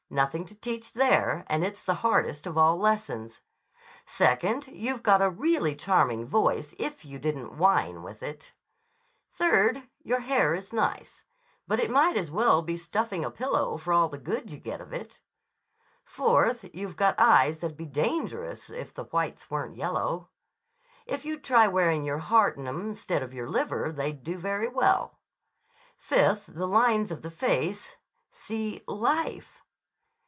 Nothing to teach there, and it's the hardest of all lessons. Second, you've got a really charming voice if you didn't whine with it. Third, your hair is nice. But it might as well be stuffing a pillow for all the good you get of it. Fourth, you've got eyes that'd be dangerous if the whites weren't yellow. If you'd try wearing your heart in 'em instead of your liver, they'd do very well. Fifth, the lines of the face—see 'Life.